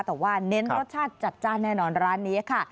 แต่ว่าเน้นรสชาติจัดจ้านแน่นอนร้านนี้ค่ะ